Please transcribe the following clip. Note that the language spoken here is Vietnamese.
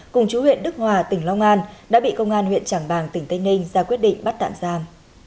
cùng chú huyện đức hòa tỉnh long an đã bị công an huyện trảng bàng tỉnh tây ninh ra quyết định bắt đạn giam